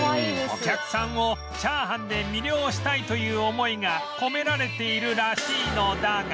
お客さんをチャーハンで魅了したいという思いが込められているらしいのだが